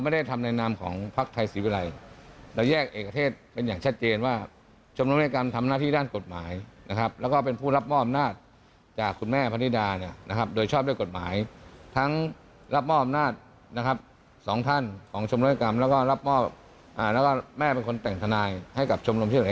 ดังนั้นเนี่ยนะครับการที่ออกมาประกาศวันนี้